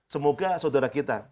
semoga saudara kita